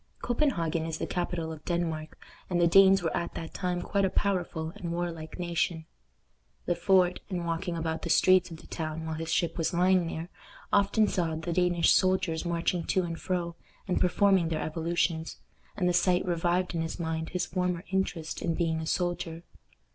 Copenhagen is the capital of Denmark, and the Danes were at that time quite a powerful and warlike nation. Le Fort, in walking about the streets of the town while his ship was lying there, often saw the Danish soldiers marching to and fro, and performing their evolutions, and the sight revived in his mind his former interest in being a soldier.